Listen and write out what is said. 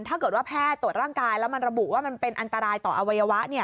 ถ้าเกิดว่าแพทย์ตรวจร่างกายแล้วมันระบุว่ามันเป็นอันตรายต่ออวัยวะ